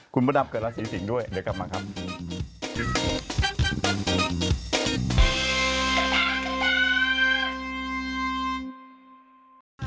คุณพระดำเกิดราศีสิงศ์ด้วยเดี๋ยวกลับมาครับ